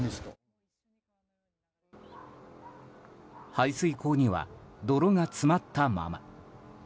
排水溝には泥が詰まったまま。